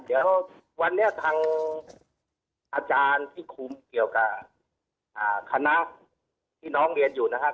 เดี๋ยววันนี้ทางอาจารย์ที่คุมเกี่ยวกับคณะที่น้องเรียนอยู่นะครับ